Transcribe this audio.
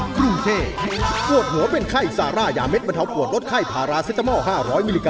คือร้องได้ให้ร้อง